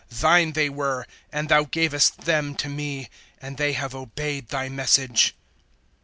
Thine they were, and Thou gavest them to me, and they have obeyed Thy message.